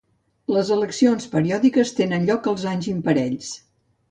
Les eleccions periòdiques tenen lloc els anys imparells.